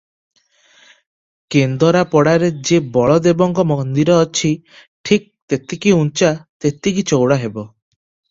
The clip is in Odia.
କେନ୍ଦରାପଡ଼ାରେ ଯେ ବଳଦେବଙ୍କ ମନ୍ଦିର ଅଛି, ଠିକ୍ ତେତିକି ଉଞ୍ଚା, ତେତିକି ଚଉଡ଼ା ହେବ ।